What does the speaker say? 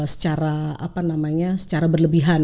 secara apa namanya secara berlebihan